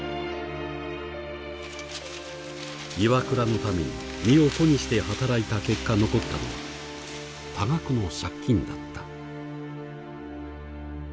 岩倉のために身を粉にして働いた結果残ったのは多額の借金だった。